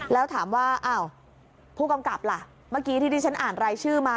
แล้วถามว่าอ้าวผู้กำกับล่ะเมื่อกี้ที่ดิฉันอ่านรายชื่อมา